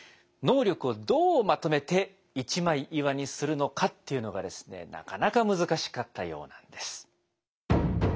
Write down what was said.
能力をどうまとめて一枚岩にするのかっていうのがなかなか難しかったようなんです。